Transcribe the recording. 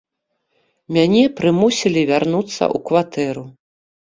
Мяне прымусілі вярнуцца ў кватэру.